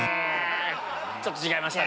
ちょっと違いました。